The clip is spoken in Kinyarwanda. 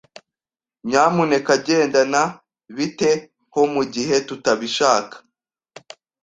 "Nyamuneka genda na ." "Bite ho mu gihe tutabishaka?"